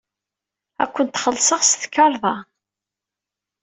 Ad kent-xellṣeɣ s tkarḍa.